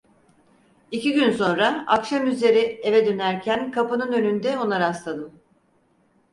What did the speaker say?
İki gün sonra akşamüzeri eve dönerken kapının önünde ona rastladım.